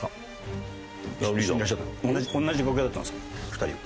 ２人は。